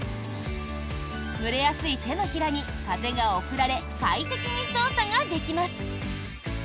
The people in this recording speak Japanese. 蒸れやすい手のひらに風が送られ快適に操作ができます。